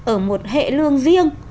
ở một hệ lương riêng